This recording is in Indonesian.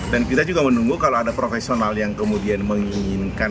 dan kita juga menunggu kalau ada profesional yang kemudian menginginkan